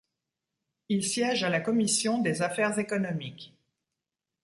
Il siège à la commission des affaires économiques.